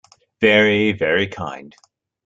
Very, very kind.